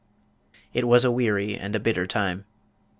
It was a weary and a bitter time.